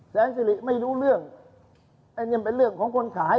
แสนสิริไม่รู้เรื่องอันนี้มันเป็นเรื่องของคนขาย